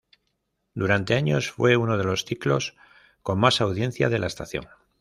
Durante años fue uno de los ciclos con mas audiencia de la estación.